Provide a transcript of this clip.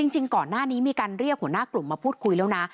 จริงก่อนหน้านี้มีการเรียกหัวหน้ากลุ่มมาพูดคุยแล้วนะ